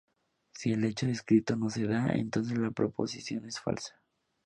Si el hecho descrito no se da, entonces la proposición es falsa.